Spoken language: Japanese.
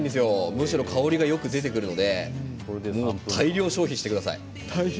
むしろ香りがよく出るので大量消費してください。